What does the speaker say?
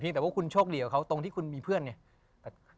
เพียงแต่ว่าคุณโชคดีกับเขาตรงที่คุณมีเพื่อนเนี่ย